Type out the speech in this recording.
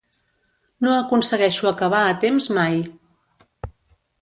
No aconsegueixo acabar a temps mai.